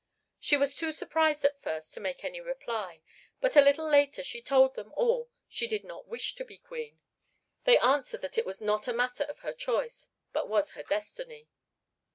She was too surprised at first to make any reply, but a little later she told them all she did not wish to be Queen. They answered that it was not a matter of her choice, but was her destiny.